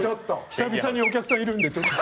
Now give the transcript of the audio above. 久々にお客さんいるんでちょっと。